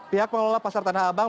pihak pengelola pasar tanah abang